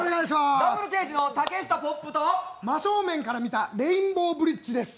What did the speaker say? Ｗ刑事の竹下ポップと真正面から見たレインボーブリッジです